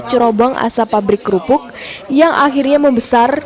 cerobong asap pabrik kerupuk yang akhirnya membesar